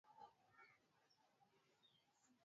da bwana shomali ni kwa kipindi ngani mtu anastahili